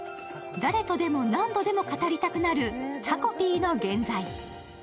誰とでも何度でも語りたくなる「タコピーの原罪」。